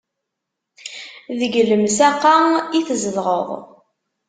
Deg lemsaq-a i tzedɣeḍ?